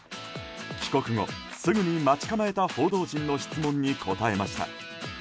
帰国後すぐに待ち構えた報道陣の質問に答えました。